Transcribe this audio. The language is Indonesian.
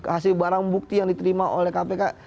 hasil barang bukti yang diterima oleh kpk